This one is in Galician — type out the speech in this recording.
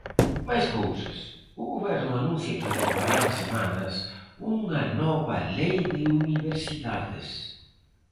Máis cousas: o Goberno anuncia que aprobará en semanas unha nova lei de universidades.